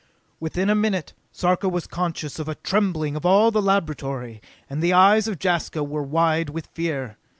Within a minute, Sarka was conscious of a trembling of all the laboratory, and the eyes of Jaska were wide with fear.